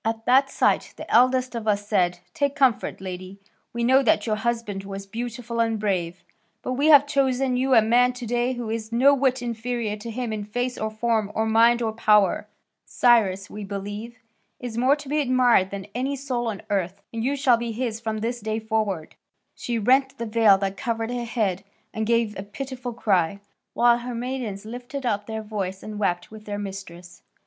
At that sight the eldest of us said, 'Take comfort, lady, we know that your husband was beautiful and brave, but we have chosen you a man to day who is no whit inferior to him in face or form or mind or power; Cyrus, we believe, is more to be admired than any soul on earth, and you shall be his from this day forward.' But when the lady heard that, she rent the veil that covered her head and gave a pitiful cry, while her maidens lifted up their voice and wept with their mistress.